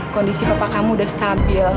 kondisi bapak kamu udah stabil